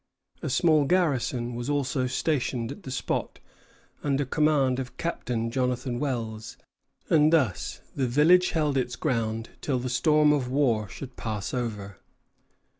A small garrison was also stationed at the spot, under command of Captain Jonathan Wells, and thus the village held its ground till the storm of war should pass over.